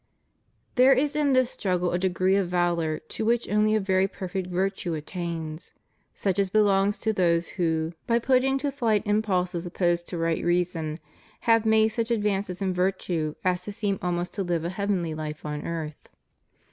^ There is in this struggle a degree of valor to which only a very perfect virtue attains, such as belongs to those who, by putting to flight impulses opposed to right reason, have made such advances in virtue as to seem almost to live a heavenly life on earth.